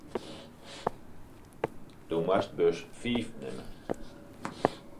Do moatst bus fiif nimme.